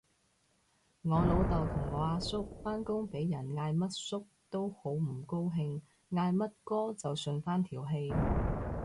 我老豆同我阿叔返工俾人嗌乜叔都好唔高興，嗌乜哥就順返條氣